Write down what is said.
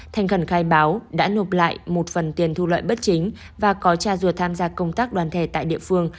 thành gần khai báo đã nộp lại một phần tiền thu lợi bất chính và có cha ruột tham gia công tác đoàn thể tại địa phương